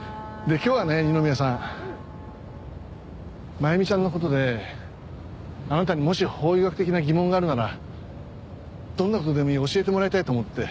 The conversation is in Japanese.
真弓ちゃんの事であなたにもし法医学的な疑問があるならどんな事でもいい教えてもらいたいと思って。